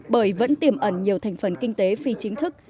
bởi vẫn tiềm ẩn nhiều thành phần kinh tế phi chính thức